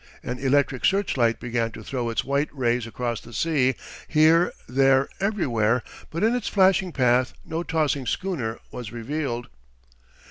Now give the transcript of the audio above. An electric search light began to throw its white rays across the sea, here, there, everywhere; but in its flashing path no tossing schooner was revealed.